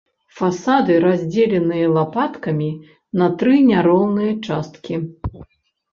Фасады раздзеленыя лапаткамі на тры няроўныя часткі.